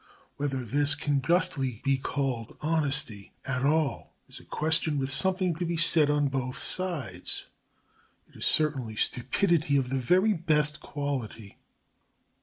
Whether this can justly be called honesty at all is a question with something to be said on both sides. It is certainly stupidity of the very best quality.